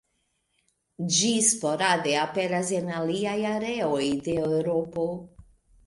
Ĝi sporade aperas en aliaj areoj de Eŭropo.